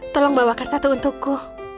tolong bawakan satu untukku